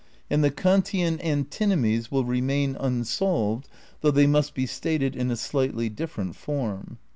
And the Kantian antinomies will remain unsolved, though they must be stated in a slightly different form.